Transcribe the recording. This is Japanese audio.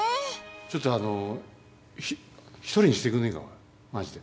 ちょっとあのひひとりにしてくんねえかマジで。